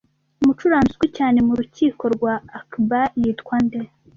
umucuranzi uzwi cyane mu rukiko rwa Akbar yitwa nde